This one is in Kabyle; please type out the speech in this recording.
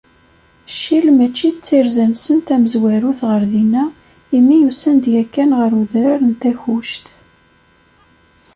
Ccil mačči d tirza-nsen tamezwarut ɣer dinna, imi usan-d yakan ɣer Udrar n Takkuct.